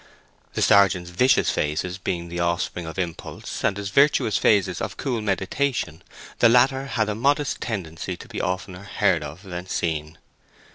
The sergeant's vicious phases being the offspring of impulse, and his virtuous phases of cool meditation, the latter had a modest tendency to be oftener heard of than seen.